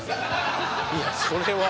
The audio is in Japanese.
いやそれは。